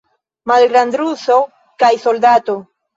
Malgrandruso kaj soldato.